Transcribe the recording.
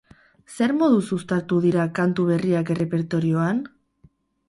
Zer moduz uztartu dira kantu berriak errepertorioan?